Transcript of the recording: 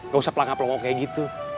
gausah pelangga pelangga kaya gitu